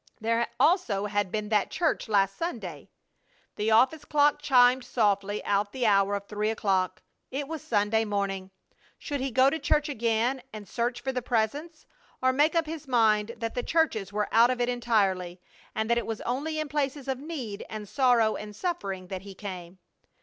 There also had been that church last Sunday. The office clock chimed softly out the hour of three o'clock. It was Sunday morning. Should he go to church again and search for the Presence, or make up his mind that the churches were out of it entirely and that it was only in places of need and sorrow and suffering that He came?